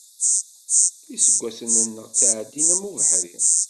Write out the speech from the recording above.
Iseggasen-nneɣ ttɛeddin am ubeḥri.